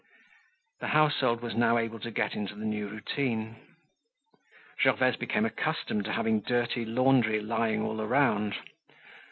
The household was now able to get into the new routine. Gervaise became accustomed to having dirty laundry lying all around.